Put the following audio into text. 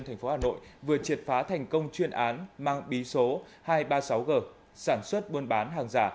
thành phố hà nội vừa triệt phá thành công chuyên án mang bí số hai trăm ba mươi sáu g sản xuất buôn bán hàng giả